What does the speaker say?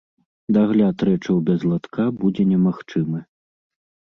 Дагляд рэчаў без латка будзе немагчымы.